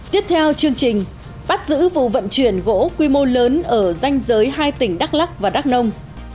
tiếp theo chương trình bắt giữ vụ vận chuyển gỗ quy mô lớn ở danh giới hai tỉnh đắk lắc và đắk nông